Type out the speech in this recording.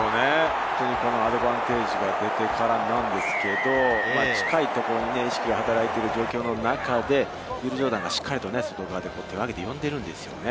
アドバンテージが出てからなんですけれど、近いところに意識が働いている状況の中で、ウィル・ジョーダンがしっかり外側に呼んでいるんですよね。